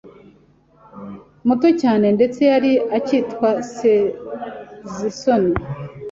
muto cyane ndetse Yari akitwa Sezisoni